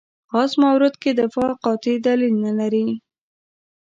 خاص مورد کې دفاع قاطع دلیل نه لري.